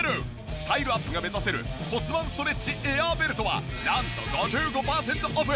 スタイルアップが目指せる骨盤ストレッチエアーベルトはなんと５５パーセントオフ。